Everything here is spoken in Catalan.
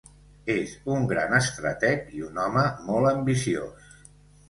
És un gran estrateg i un home molt ambiciós.